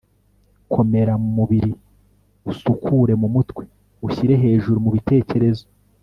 komera mu mubiri, usukure mu mutwe, ushyire hejuru mu bitekerezo